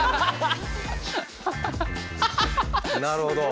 なるほど。